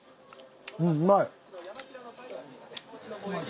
うんうまい！